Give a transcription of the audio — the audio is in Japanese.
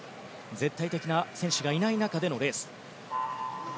絶対的な選手がいない中でのレース。